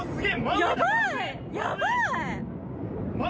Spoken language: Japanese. やばい！